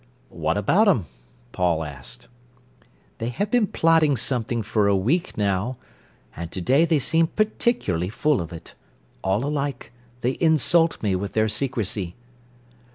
"What about 'em?" Paul asked. "They have been plotting something for a week now, and to day they seem particularly full of it. All alike; they insult me with their secrecy."